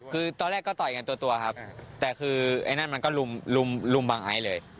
คือตอนแรกก็ต่อยกันตัวครับแต่คือไอ้นั่นมันก็ลุมบังไอซ์เลย